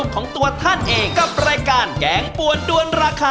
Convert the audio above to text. ก็ได้เลย๓อย่างนี้